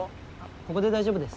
ここで大丈夫です。